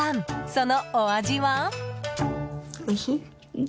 そのお味は。